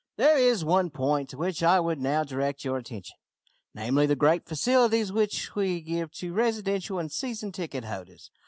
"There is one point to which I would now direct your attention namely, the great facilities which we give to residential and season ticket holders.